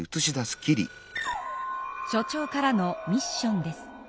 所長からのミッションです。